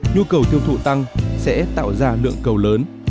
nhu cầu tiêu thụ tăng sẽ tạo ra lượng cầu lớn